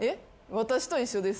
私と一緒です。